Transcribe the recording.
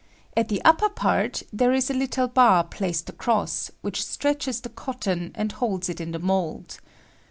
At the upper part there is a little bar placed across, which stretch es the cotton and holds it in the mould.